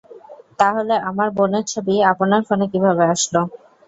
তাহলে আমার বোনের ছবি আপনার ফোনে কিভাবে আসল?